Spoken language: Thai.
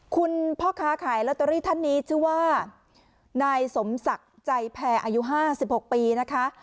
พ่อค้าขายลอตเตอรี่ท่านนี้ชื่อว่านายสมศักดิ์ใจแพรอายุ๕๖ปีนะคะ